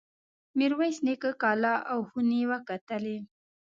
میرویس نیکه کلا او خونې وکتلې.